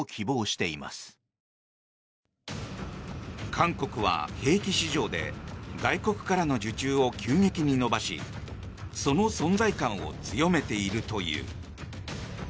韓国は兵器市場で外国からの受注を急激に伸ばしその存在感を強めているという。